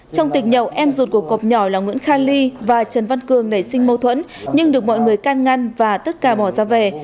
trong tiệc nhậu em ruột của cọp nhỏ là nguyễn khan ly và trần văn cường nảy sinh mâu thuẫn nhưng được mọi người can ngăn và tất cả bỏ ra về